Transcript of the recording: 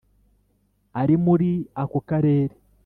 ari muri ako Karere